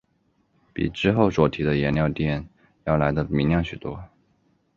比之后所提的颜料靛要来得明亮许多。